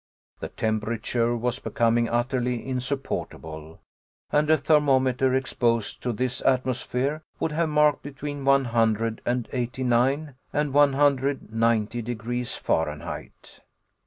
The temperature was becoming utterly insupportable, and a thermometer exposed to this atmosphere would have marked between one hundred and eighty nine and one hundred ninety degrees Fahrenheit.